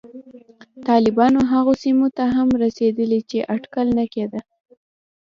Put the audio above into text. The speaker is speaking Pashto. طالبان هغو سیمو ته هم رسېدلي چې اټکل نه کېده